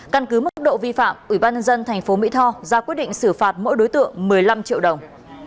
căn cứ mức độ vi phạm ủy ban nhân dân tp mỹ tho ra quyết định xử phạt mỗi đối tượng một mươi năm triệu đồng